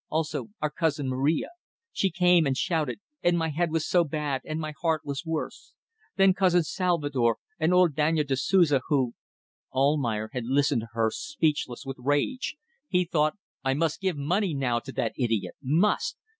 Also our cousin Maria. She came and shouted, and my head was so bad, and my heart was worse. Then cousin Salvator and old Daniel da Souza, who ..." Almayer had listened to her speechless with rage. He thought: I must give money now to that idiot. Must!